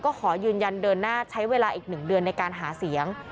ก็ขอยืนยันเดินหน้าใช้เวลาอีก๑เดือนในการหาเสียง